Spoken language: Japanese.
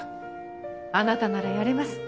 あなたならやれます。